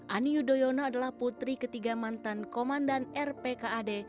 ani yudhoyono adalah putri ketiga mantan komandan rpkad